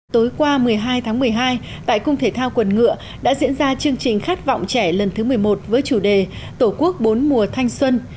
tối qua một mươi hai tháng một mươi hai tại cung thể thao quần ngựa đã diễn ra chương trình khát vọng trẻ lần thứ một mươi một với chủ đề tổ quốc bốn mùa thanh xuân